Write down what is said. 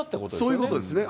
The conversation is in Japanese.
そういうことですね。